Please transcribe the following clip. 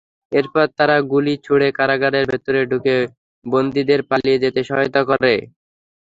এরপর তারা গুলি ছুড়ে কারাগারের ভেতরে ঢুকে বন্দীদের পালিয়ে যেতে সহায়তা করে।